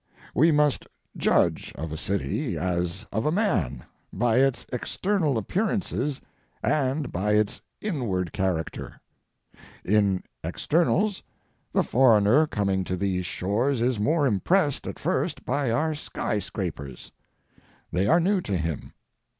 We must judge of a city, as of a man, by its external appearances and by its inward character. In externals the foreigner coming to these shores is more impressed at first by our sky scrapers. They are new to him.